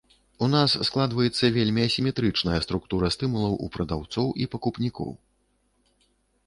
У нас складваецца вельмі асіметрычная структура стымулаў у прадаўцоў і пакупнікоў.